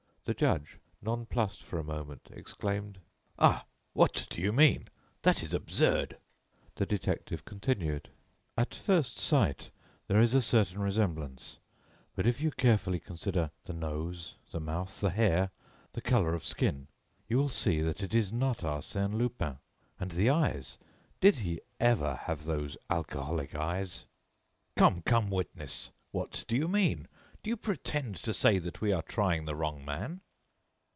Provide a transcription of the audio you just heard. The judge, nonplused for a moment, exclaimed: "Ah! What do you mean? That is absurd!" The detective continued: "At first sight there is a certain resemblance, but if you carefully consider the nose, the mouth, the hair, the color of skin, you will see that it is not Arsène Lupin. And the eyes! Did he ever have those alcoholic eyes!" "Come, come, witness! What do you mean? Do you pretend to say that we are trying the wrong man?"